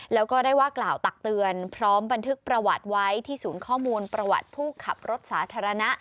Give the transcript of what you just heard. แล้วก็ได้ว่ากล่าวตักเตือนพร้อมบันทึกประวัติไว้ที่ศูนย์ข้อมูลประวัติผู้ขับรถสาธารณะ